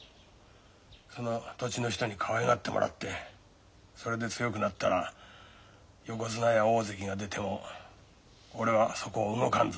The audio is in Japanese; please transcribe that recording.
その土地の人にかわいがってもらってそれで強くなったら横綱や大関が出ても俺はそこを動かんぞ。